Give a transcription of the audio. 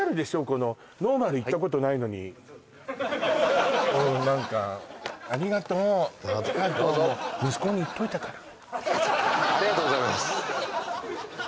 このノーマルいったことないのにうん何かありがとうどうぞありがとうございます